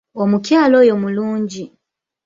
Omukyala oyo mulungi.